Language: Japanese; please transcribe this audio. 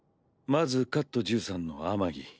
まずカット１３のアマギ。